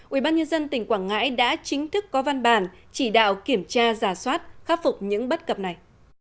ubnd tỉnh quảng ngãi đã chính thức có văn bản chỉ đạo kiểm tra giả soát khắc phục những bất cập này